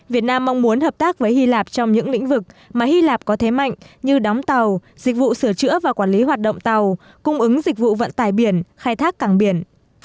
việt nam mong muốn hợp tác với hy lạp trong những lĩnh vực mà hy lạp có thế mạnh như đóng tàu dịch vụ sửa chữa và quản lý hoạt động tàu cung ứng dịch vụ vận tải biển khai thác cảng biển